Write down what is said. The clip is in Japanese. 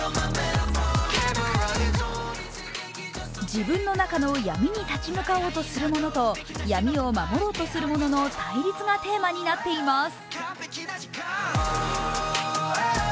自分の中の闇に立ち向かおうとする者と闇を守ろうとする者の対立がテーマとなっています。